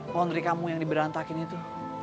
pohon dari kamu yang diberantakin itu